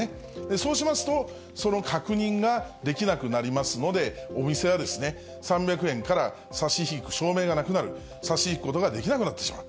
そうしますと、その確認ができなくなりますので、お店は３００円から差し引く証明がなくなる、差し引くことができなくなってしまう。